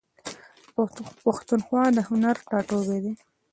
پښتونخوا د هنر ټاټوبی دی.